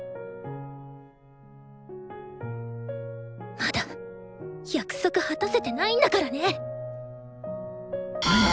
まだ約束果たせてないんだからね！